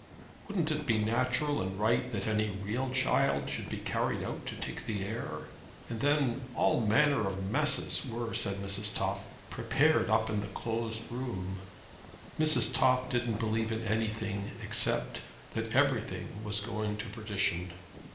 Wouldn't it be natural and right that any real child should be carried out to take the air? "And then all manner of messes were," said Mrs. Toff, "prepared up in the closed room." Mrs. Toff didn't believe in anything, except that everything was going to perdition.